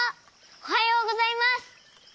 おはようございます。